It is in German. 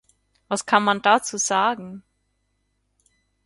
Was kann man dazu sagen?